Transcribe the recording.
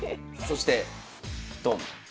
そしてドン。